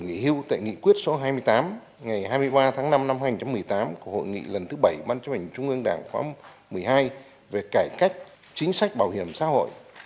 nghỉ hưu tại nghị quyết số hai mươi tám ngày hai mươi ba tháng năm năm hai nghìn một mươi tám của hội nghị lần thứ bảy ban chấp hành trung ương đảng khóa một mươi hai về cải cách chính sách bảo hiểm xã hội